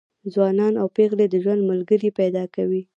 ځوانان او پېغلې د ژوند ملګري پیدا کوي.